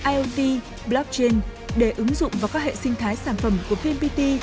iot blockchain để ứng dụng vào các hệ sinh thái sản phẩm của vnpt